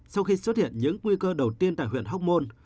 sau khi xuất hiện những nguy cơ đầu tiên tại huyện hóc môn